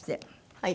はい。